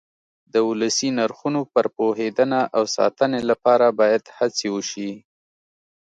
د ولسي نرخونو پر پوهېدنه او ساتنې لپاره باید هڅې وشي.